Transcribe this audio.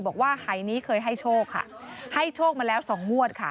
บอกว่าหายนี้เคยให้โชคค่ะให้โชคมาแล้วสองงวดค่ะ